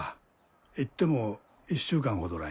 いっても１週間ほどらいね。